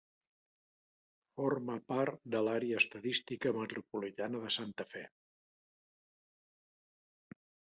Forma part de l'Àrea Estadística Metropolitana de Santa Fe.